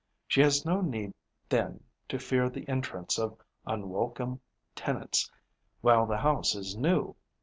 She has no need then to fear the entrance of unwelcome tenants while the house is new.